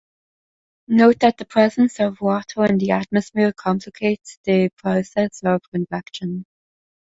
Note that the presence of water in the atmosphere complicates the process of convection.